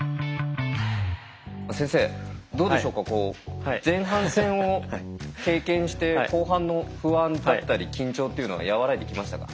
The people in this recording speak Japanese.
先生どうでしょうか前半戦を経験して後半の不安だったり緊張っていうのは和らいできましたか？